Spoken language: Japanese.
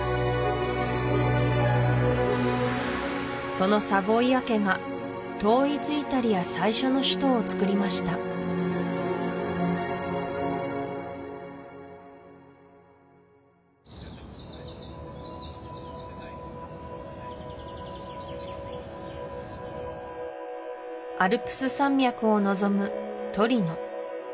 そのサヴォイア家が統一イタリア最初の首都をつくりましたアルプス山脈を望むトリノ